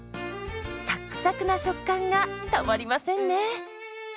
サックサクな食感がたまりませんね。